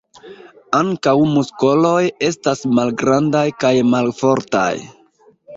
Ankaŭ muskoloj estas malgrandaj kaj malfortaj.